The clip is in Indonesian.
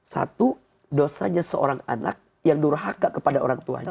satu dosanya seorang anak yang durhaka kepada orang tuanya